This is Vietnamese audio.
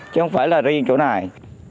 chứ không phải là riêng chỗ này